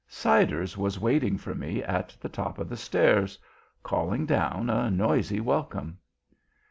Siders was waiting for me at the top of the stairs, calling down a noisy welcome.